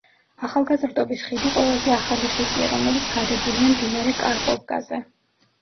ახალგაზრდობის ხიდი ყველაზე ახალი ხიდია, რომელიც გადებულია მდინარე კარპოვკაზე.